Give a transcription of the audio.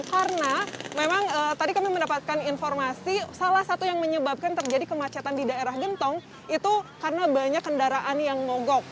karena memang tadi kami mendapatkan informasi salah satu yang menyebabkan terjadi kemacetan di daerah gentong itu karena banyak kendaraan yang ngogok